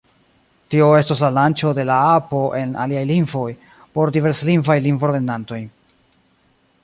Tio estos la lanĉo de la apo en aliaj lingvoj, por diverslingvaj lingvolernantoj.